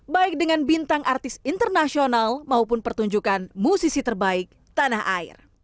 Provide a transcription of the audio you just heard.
baik dengan bintang artis internasional maupun pertunjukan musisi terbaik tanah air